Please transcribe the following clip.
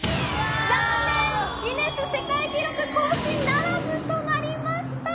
残念、ギネス世界記録更新ならずとなりました。